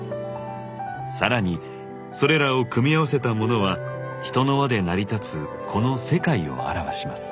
更にそれらを組み合わせたものは人の輪で成り立つこの世界を表します。